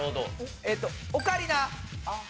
えっとオカリナ「鳩」。